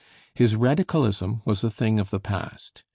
His radicalism was a thing of the past.